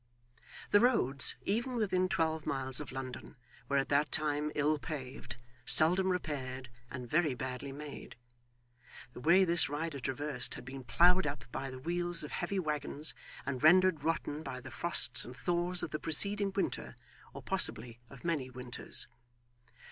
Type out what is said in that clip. The roads, even within twelve miles of London, were at that time ill paved, seldom repaired, and very badly made. The way this rider traversed had been ploughed up by the wheels of heavy waggons, and rendered rotten by the frosts and thaws of the preceding winter, or possibly of many winters.